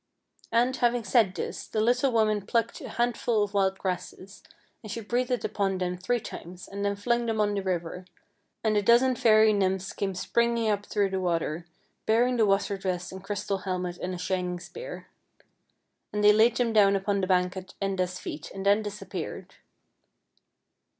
And, having said this, the little woman plucked a handful of wild grasses, and she breathed upon them three times and then flung them on the river, and a dozen fairy nymphs came springing up through the water, bearing the water dress and crystal helmet and a shining spear. And they laid them down upon the bank at Enda's feet, and then disappeared.